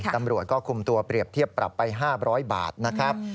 ตำรวจก็คุมตัวเปรียบเทียบปรับไป๕๐๐บาทนะครับ